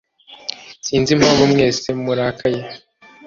Sinzi impamvu mwese murakaye.